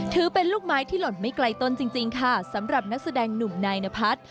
ถือเป็นลูกไม้ที่หล่นไม่ไกลต้นจริงค่ะสำหรับนักแสดงหนุ่มนายนพัฒน์